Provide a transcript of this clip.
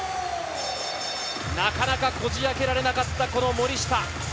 なかなかこじあけられなかった森下。